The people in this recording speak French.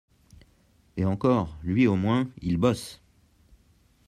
Et encore, lui au moins, il bosse.